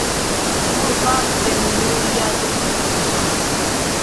Nu, fakte, neniu ja dubis.